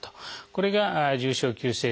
これが重症急性